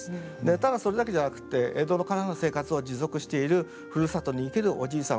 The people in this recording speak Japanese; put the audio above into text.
ただそれだけじゃなくって江戸からの生活を持続しているふるさとに生けるおじいさん